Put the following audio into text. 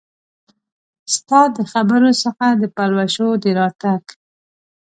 ستا د خبرو څخه د پلوشو د راتګ